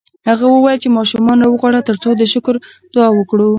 هغه وویل چې ماشومان راوغواړه ترڅو د شکر دعا وکړو